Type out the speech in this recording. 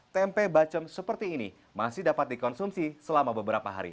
tempe bacem seperti ini masih dapat dikonsumsi selama beberapa hari